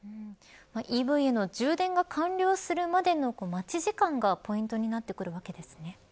ＥＶへの充電が完了するまでの待ち時間がポイントになってくるわけですね。